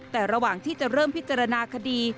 แต่ระหว่างที่จะเริ่มพิจารณาคดี